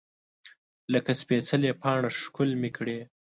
لکه سپیڅلې پاڼه ښکل مې کړې